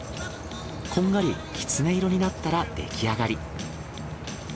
こんがりきつね色になったら出来上がり。